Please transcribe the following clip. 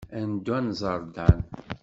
Ad neddu ad nẓer Dan.